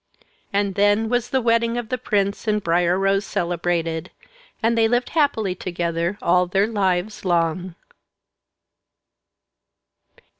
And then was the wedding of the prince and Briar Rose celebrated, and they lived happily together all their lives long.